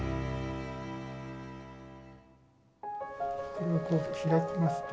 これをこう開きますと。